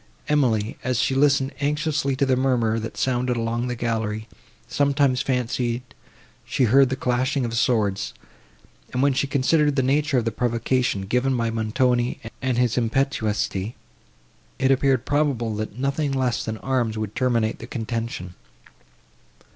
Emily, as she listened anxiously to the murmur, that sounded along the gallery, sometimes fancied she heard the clashing of swords, and, when she considered the nature of the provocation, given by Montoni, and his impetuosity, it appeared probable, that nothing less than arms would terminate the contention.